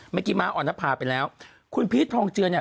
เมื่อกี้ม้าอ่อนนภาไปแล้วคุณพีชทองเจือเนี่ย